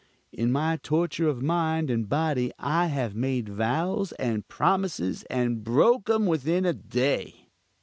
In my torture of mind and body I have made vows and promises, and broken 'em within a day.